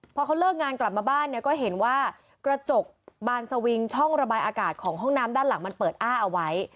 พอเขาเลิกงานกลับมาบ้านเนี่ยก็เห็นว่ากระจกบานสวิงช่องระบายอากาศของห้องน้ำด้านหลังมันเปิดอ้าเอาไว้